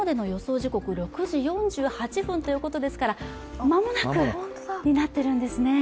時刻は６時４８分ということですから間もなくになってるんですね。